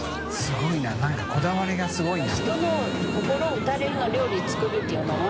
瓦いなんかこだわりがすごいな。